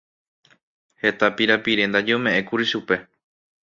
Heta pirapire ndaje oñemeʼẽkuri chupe.